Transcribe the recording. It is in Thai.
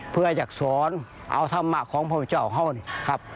เพื่อจะสอนอาวุธธรรมะของพระพุทธเจ้าของเขา